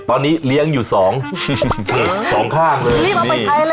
ตอนนี้เลี้ยงอยู่สองสองข้างเลยเรียบเอาไปใช้เลยค่ะ